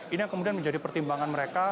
ini yang kemudian menjadi pertimbangan mereka